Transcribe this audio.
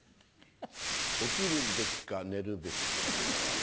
「起きるべきか寝るべきか」。